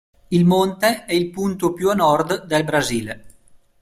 Il monte è il punto più a nord del Brasile.